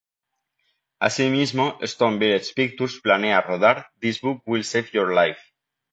Asimismo, Stone Village Pictures planea rodar "This Book Will Save Your Life".